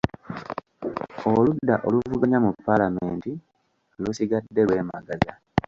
Oludda oluvuganya mu Paalamenti lusigadde lwemagaza.